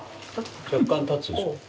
若干立つでしょ。